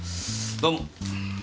どうも。